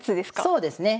そうですね。